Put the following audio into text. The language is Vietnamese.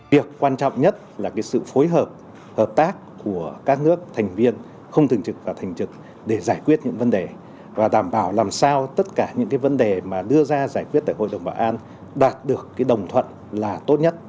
việc quan trọng nhất là sự phối hợp hợp tác của các nước thành viên không thường trực và thành trực để giải quyết những vấn đề và đảm bảo làm sao tất cả những cái vấn đề mà đưa ra giải quyết tại hội đồng bảo an đạt được cái đồng thuận là tốt nhất